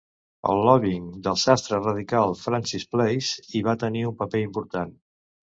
El lobbying del sastre radical Francis Place hi va tenir un paper important.